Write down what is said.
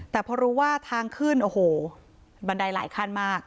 แต่พอรู้ว่าทางขึ้นโอ้โหบันไดหลายขั้นมาก